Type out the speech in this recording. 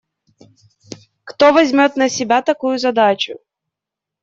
Кто возьмет на себя такую задачу?